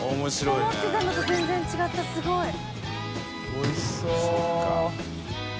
おいしそう。